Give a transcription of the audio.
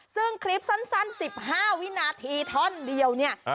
ซึ่งคลิปสั้น๑๕วินาทีท่อนเดียวเนี่ย